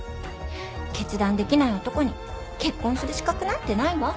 決断できない男に結婚する資格なんてないわ。